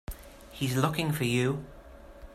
He's looking for you.